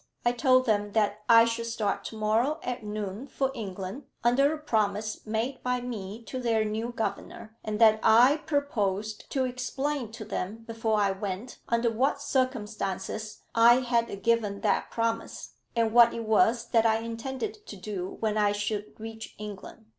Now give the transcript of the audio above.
I told them that I should start to morrow at noon for England, under a promise made by me to their new governor, and that I purposed to explain to them, before I went, under what circumstances I had given that promise, and what it was that I intended to do when I should reach England.